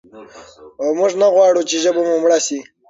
موږ نه غواړو چې ژبه مو مړه شي.